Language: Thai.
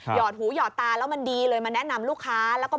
หยอดหูหยอดตาแล้วมันดีเลยมาแนะนำลูกค้า